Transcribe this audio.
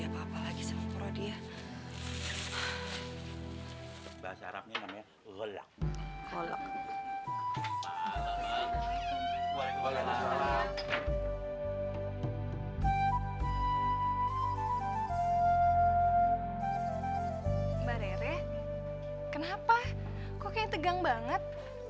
mbak rere kenapa kok kayak tegang banget